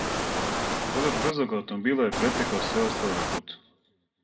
Возач брзог аутомобила је претекао све остале на путу.